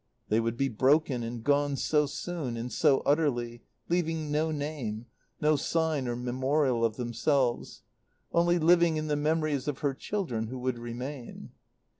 They would be broken and gone so soon and so utterly, leaving no name, no sign or memorial of themselves; only living in the memories of her children who would remain.